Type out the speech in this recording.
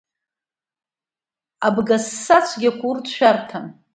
Абгасса-цәгьақәа, урҭ шәарҭам.